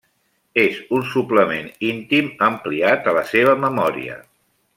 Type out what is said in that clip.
És un suplement íntim ampliat a la seva memòria.